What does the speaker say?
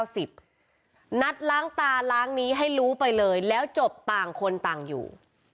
นัดล้างตาล้างนี้ให้รู้ไปเลยแล้วจบต่างคนต่างอยู่